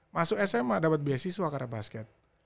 masuk sma dapat beasiswa karena basket